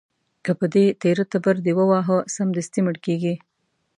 که په دې تېره تبر دې وواهه، سمدستي مړ کېږي.